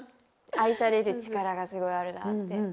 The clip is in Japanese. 愛される力がすごいあるなって。